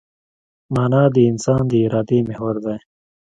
مانا د انسان د ارادې محور دی.